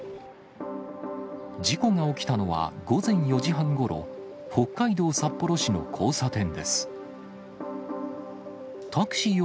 事故が起きたのは午前４時半ごろ、北海道札幌市の交差点です。